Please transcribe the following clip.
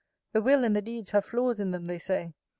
The will and the deeds have flaws in them, they say.